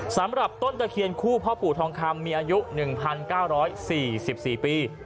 สำหรับต้นตะเคียนคู่พ่อปู่ทองคำมีอายุ๑๙๔๔ปี